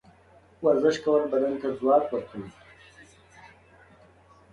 ورزش کول بدن ته ځواک ورکوي.